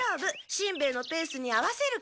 しんべヱのペースに合わせるから。